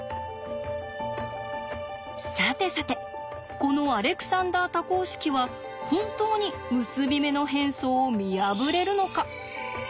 さてさてこのアレクサンダー多項式は本当に結び目の変装を見破れるのか。